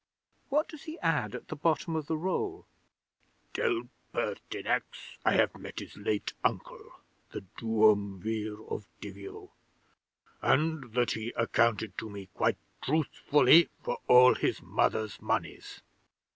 What does he add at the bottom of the roll? '_Tell Pertinax I have met his late Uncle, the Duumvir of Divio, and that he accounted to me quite truthfully for all his Mother's monies.